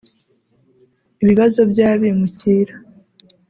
ibibazo by’abimukira